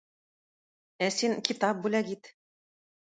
Ә син китап бүләк ит!